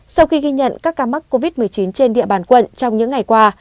sau khi ghi nhận các ca mắc covid một mươi chín trên địa bàn quận trong những ngày qua